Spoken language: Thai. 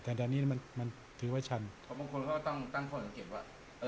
แต่แดนนี้มันถือว่าชันเพราะบางคนก็ต้องตั้งข้อสังเกตว่า